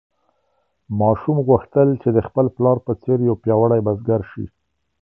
ماشوم غوښتل چې د خپل پلار په څېر یو پیاوړی بزګر شي.